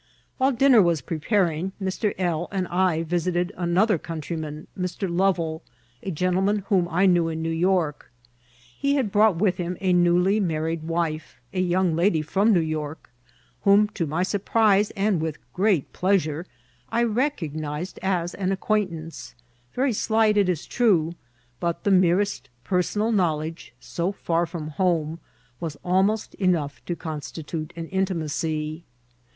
While dinner was preparing, Mr. L. and I visited another countryman, Mr. Lovel, a gentleman whom I knew in New York. He had brought with him a newly married wife, a young la4y from New York, whom, to my surprise and with great pleasure, I recog nised as an acquaintance : very slight, it is true ; but the merest personal knowledge, so far from home, was al most enough to constitute an intimacy.